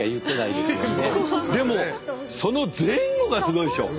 でもその前後がすごいでしょ。